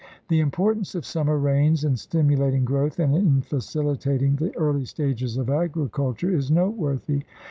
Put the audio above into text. The importance of summer rains in stimulating growth and in facilitating the early stages of agri culture is noteworthy.